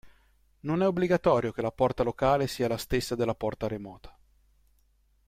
Non è obbligatorio che la porta locale sia la stessa della porta remota.